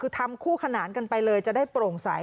คือทำคู่ขนานกันไปเลยจะได้โปร่งใส